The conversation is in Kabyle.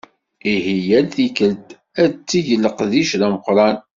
Ihi yal tikelt ad teg leqdic d ameqqran.